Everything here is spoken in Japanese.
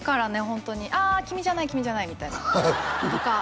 ホントに「あ君じゃない君じゃない」みたいなのとか